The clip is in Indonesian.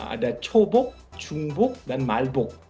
ada chobok chungbok dan malbok